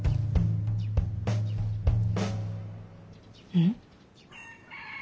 うん？